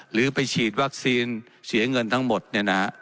หรือไปฉีดวัคซีนเสียเงินทั้งหมดเนี่ยนะฮะ